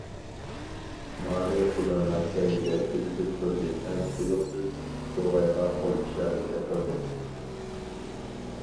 مارى ئۇلارنىڭ كەينىدە كۆزىتىپ تۇردى ھەم تۇيۇقسىز بوۋايغا قول ئىشارىسى قىلدى.